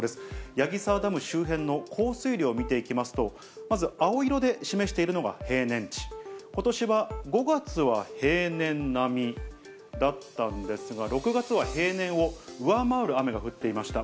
矢木沢ダム周辺の降水量を見ていきますと、まず青色で示しているのが平年値、ことしは５月は平年並みだったんですが、６月は平年を上回る雨が降っていました。